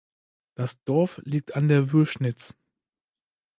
Das Dorf liegt an der Würschnitz.